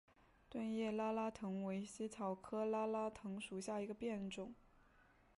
钝叶拉拉藤为茜草科拉拉藤属下的一个变种。